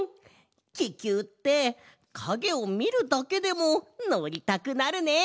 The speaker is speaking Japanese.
ききゅうってかげをみるだけでものりたくなるね！